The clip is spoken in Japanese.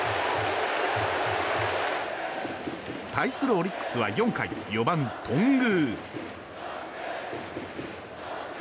対するオリックスは４回４番、頓宮。